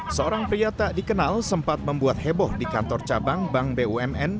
seorang pria tak dikenal sempat membuat heboh di kantor cabang bank bumn